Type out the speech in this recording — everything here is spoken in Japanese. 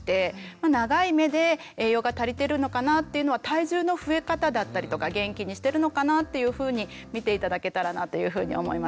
長い目で栄養が足りてるのかなっていうのは体重の増え方だったりとか元気にしてるのかなっていうふうに見て頂けたらなというふうに思います。